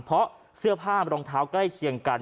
เพราะเสื้อผ้ารองเท้าใกล้เคียงกัน